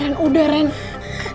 ayo keluar keluar